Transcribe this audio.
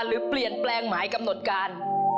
หรือเปลี่ยนแปลงหมายกำหนดการ